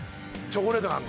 チョコレートさん！